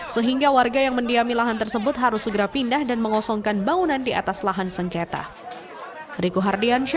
sehingga warga yang mendiami lahan tersebut harus segera pindah dan mengosongkan bangunan di atas lahan sengketa